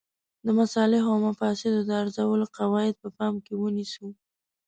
د مصالحو او مفاسدو د ارزولو قواعد په پام کې ونیسو.